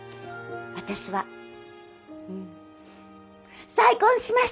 私は再婚します！